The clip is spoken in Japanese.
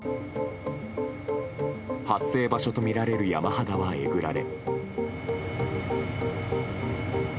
発生場所とみられる山肌はえぐられ。